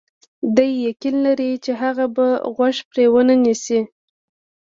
دی یقین لري چې هغه به غوږ پرې ونه نیسي.